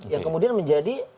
yang kemudian menjadi